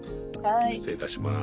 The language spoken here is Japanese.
失礼いたします。